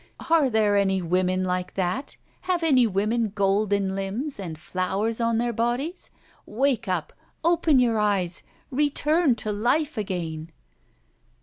Are there any women like that? Have any women golden limbs, and flowers on their bodies? Wake up, open your eyes, return to life again!